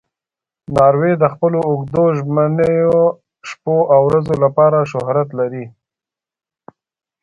ناروی د خپلو اوږدو ژمنیو شپو او ورځو لپاره شهرت لري.